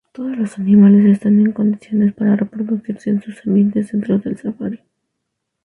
Todos los animales están en condiciones para reproducirse en sus ambientes dentro del safari.